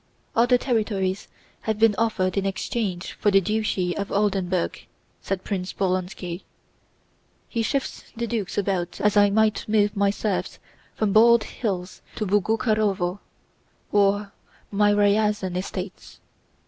"Other territories have been offered in exchange for the Duchy of Oldenburg," said Prince Bolkónski. "He shifts the Dukes about as I might move my serfs from Bald Hills to Boguchárovo or my Ryazán estates."